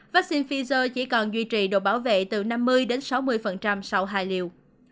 vaccine pfizer chỉ còn duy trì độ bảo vệ từ năm mươi đến sáu mươi sau hai liều